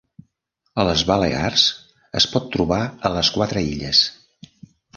A les Balears es pot trobar a les quatre illes.